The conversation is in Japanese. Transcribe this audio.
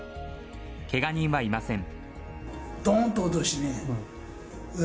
けが人はいません。